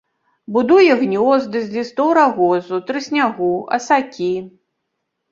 Будуе гнёзды з лістоў рагозу, трыснягу, асакі.